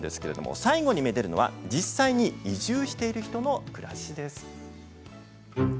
最後にめでるのは実際に移住している人の暮らしです。